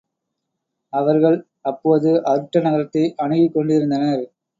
அவர்கள் அப்போது அருட்ட நகரத்தை அணுகிக் கொண்டிருந்தனர்.